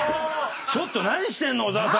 ちょっと何してんの⁉小澤さん。